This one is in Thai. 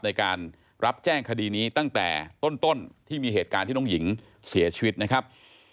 ในการรับแจ้งคดีนี้ตั้งแต่ต้นที่มีเหตุการณ์ที่น้องหญิงเสียชีวิตนะครับ